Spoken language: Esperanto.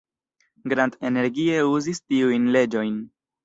Grant energie uzis tiujn leĝojn.